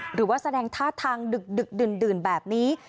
หรือว่าแสดงท่าทางดึกดื่นแบบนี้